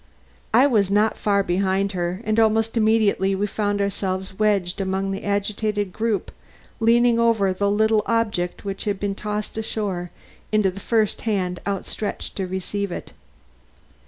I was not far behind her, and almost immediately we found ourselves wedged among the agitated group leaning over the little object which had been tossed ashore into the first hand outstretched to receive it.